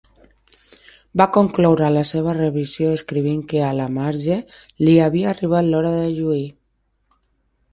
Va concloure la seva revisió escrivint que a la Marge li havia arribat l'hora de lluir.